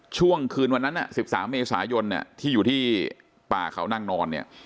ช่วงคืนวันนั้น๑๓เมษายนที่อยู่ที่ป่าเขานั่งนอนเนี่ย